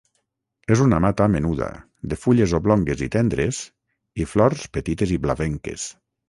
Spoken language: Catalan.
És una mata menuda de fulles oblongues i tendres i flors petites i blavenques.